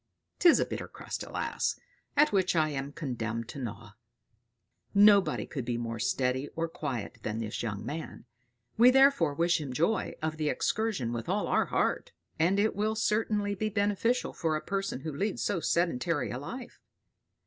'Tis a bitter crust, alas! at which I am condemned to gnaw!" Nobody could be more steady or quiet than this young man; we therefore wish him joy of the excursion with all our heart; and it will certainly be beneficial for a person who leads so sedentary a life.